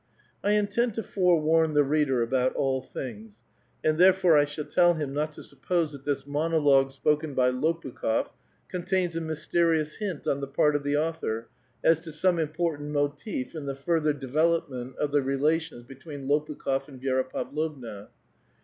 I intend to forewarn the reader about all things, and therefore I shall toll him not to suppose that this monologue S|x>ken by Lopukl)6f contains a mysterious hint on the part of the author as to some important motive in the further development of the relations between Lopukh6f and Vi^ra l*avlovna.